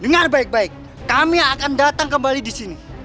dengar baik baik kami akan datang kembali di sini